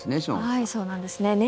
そうなんですね。